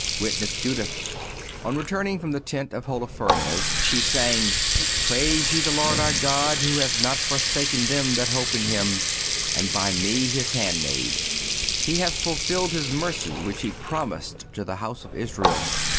Witness Judith. On returning from the tent of Holofernes, she sang: "Praise ye the Lord, our God, who hath not forsaken them that hope in Him, and by me His handmaid, He hath fulfilled His mercy which He promised to the house of Israel....